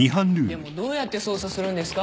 でもどうやって捜査するんですか？